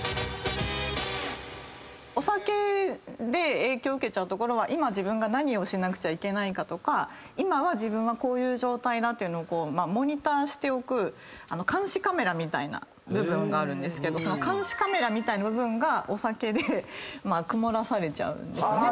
お酒で影響受ける所は今自分が何をしなくちゃいけないかとか今は自分はこういう状態だっていうのをモニターしておく監視カメラみたいな部分があるんですけどその部分がお酒で曇らされちゃうんですね。